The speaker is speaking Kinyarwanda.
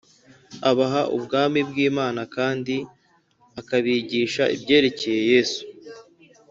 abaha Ubwami bw Imana kandi akabigisha ibyerekeye Yesu